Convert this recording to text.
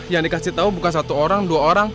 yang dikasih tahu bukan satu orang dua orang